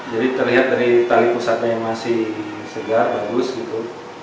jadi terlihat dari tali pusatnya yang masih segar bagus gitu